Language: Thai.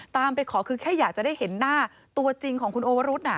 ไปขอคือแค่อยากจะได้เห็นหน้าตัวจริงของคุณโอวรุธ